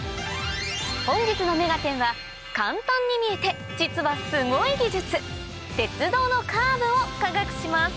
本日の『目がテン！』は簡単に見えて実はすごい技術鉄道のカーブを科学します